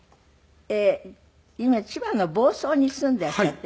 今千葉の房総に住んでらっしゃるって？